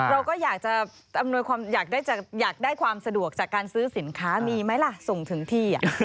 เราก็อยากจะได้ความสะดวกจากการซื้อสินค้ามีไหมล่ะส่งถึงที่